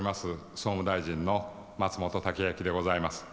総務大臣の松本剛明でございます。